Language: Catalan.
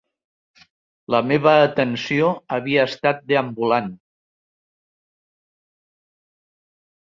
La meva atenció havia estat deambulant.